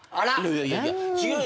いやいやいや違う。